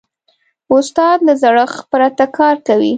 استاد له زړښت پرته کار کوي.